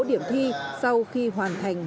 điểm thi sau khi hoàn thành